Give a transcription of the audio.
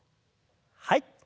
はい。